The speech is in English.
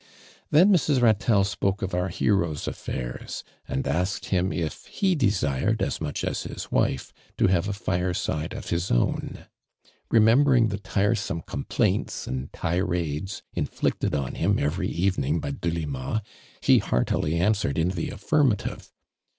Then Mrs. R itelle spoke of our hero's affairs, and asked him if ho desired as much as his wife to have a fire side of his own. Remembering the tiresome com plaints and tirades inflicted on him every evening by Delima, he heartily answered in the affirmative.